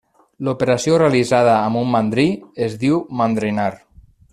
L'operació realitzada amb un mandrí, es diu mandrinar.